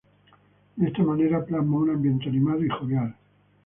De esta manera plasma un ambiente animado y jovial.